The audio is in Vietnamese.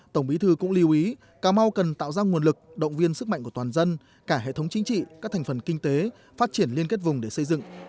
tổng bí thư cũng lưu ý cà mau cần tạo ra nguồn lực động viên sức mạnh của toàn dân cả hệ thống chính trị các thành phần kinh tế phát triển liên kết vùng để xây dựng